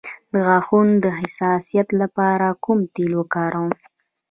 د غاښونو د حساسیت لپاره کوم تېل وکاروم؟